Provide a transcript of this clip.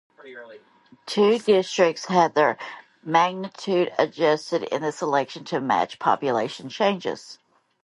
Two districts had their magnitude adjusted in this election to match population changes.